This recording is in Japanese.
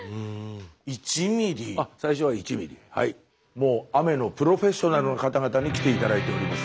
もう雨のプロフェッショナルの方々に来て頂いております。